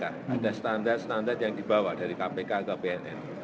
ada standar standar yang dibawa dari kpk ke bnn